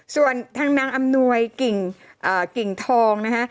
ส่วนทางนางอำนวยกิ่งทองนะฮะ